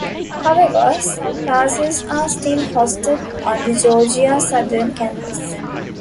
However, some classes are still hosted on the Georgia Southern campus.